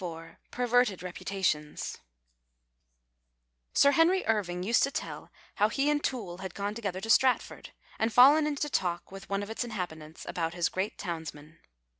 188 PERVERTED REPUTATIONS Sir Henry Irving used to tell how he and Toole had gone together to Stratford, and fallen into talk with one of its inhabitants about his great towns man.